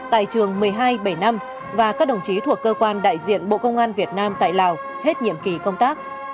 tại trường một mươi hai bảy mươi năm và các đồng chí thuộc cơ quan đại diện bộ công an việt nam tại lào hết nhiệm kỳ công tác